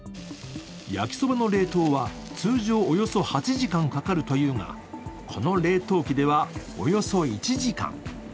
焼きそばの冷凍は通常およそ８時間かかるというが、この冷凍機ではおよそ１時間。